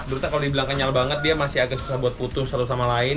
sebenarnya kalau dibilang kenyal banget dia masih agak susah buat putus satu sama lain